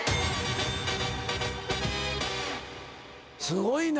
すごいな！